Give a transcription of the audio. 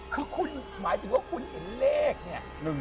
คือคุณหมายถึงว่าคุณเห็นเลขเนี่ย